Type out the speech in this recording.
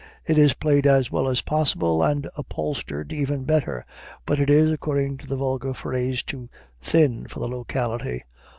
It is played as well as possible, and upholstered even better; but it is, according to the vulgar phrase, too "thin" for the locality.